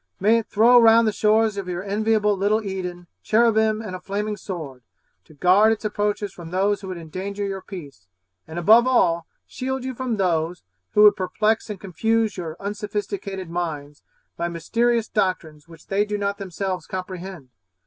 May it throw round the shores of your enviable little Eden, 'cherubim and a flaming sword,' to guard its approaches from those who would endanger your peace; and above all, shield you from those, who would perplex and confuse your unsophisticated minds, by mysterious doctrines which they do not themselves comprehend!